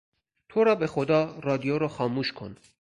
ترا به خدا رادیو را خاموش کن!